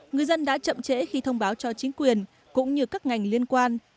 người dân đã chậm trễ khi thông báo cho chính quyền cũng như các ngành liên quan